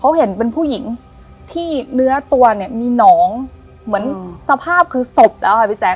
เขาเห็นเป็นผู้หญิงที่เนื้อตัวเนี่ยมีหนองเหมือนสภาพคือศพแล้วค่ะพี่แจ